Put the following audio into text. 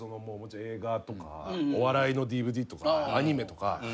もちろん映画とかお笑いのＤＶＤとかアニメとか。